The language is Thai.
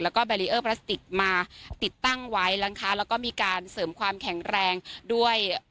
แล้วก็มาติดตั้งไว้แล้วนะคะแล้วก็มีการเสริมความแข็งแรงด้วย